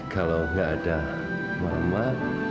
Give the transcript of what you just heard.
kalau nggak ada mama